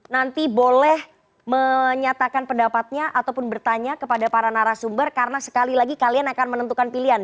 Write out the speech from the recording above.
nanti boleh menyatakan pendapatnya ataupun bertanya kepada para narasumber karena sekali lagi kalian akan menentukan pilihan